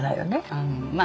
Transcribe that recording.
うんまあ